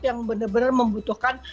yang benar benar membutuhkan